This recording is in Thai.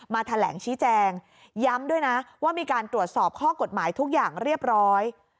แถลงชี้แจงย้ำด้วยนะว่ามีการตรวจสอบข้อกฎหมายทุกอย่างเรียบร้อย